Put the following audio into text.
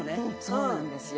そうなんですよ。